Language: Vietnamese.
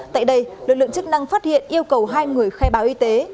tại đây lực lượng chức năng phát hiện yêu cầu hai người khai báo y tế